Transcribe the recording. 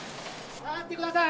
下がってください。